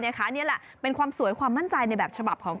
นี่แหละเป็นความสวยความมั่นใจในแบบฉบับของ